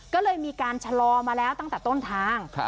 ก็เลยมีการชะลอมาแล้วตั้งแต่ต้นทาง